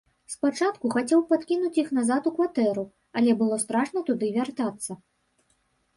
Спачатку хацеў падкінуць іх назад у кватэру, але было страшна туды вяртацца.